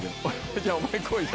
じゃあお前来いよ。